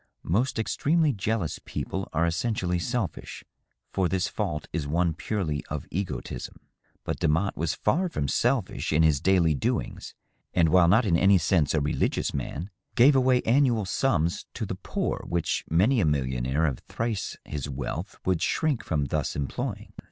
Most extremely jealous people are essentially selfish, for this fault is one purely of egotism ; but Demotte was far from selfish in his daily doings, and, while not in any sense a religious man, gave away annual sums to the poor which many a millionaire of thrice his wealth would shrink from thus employing.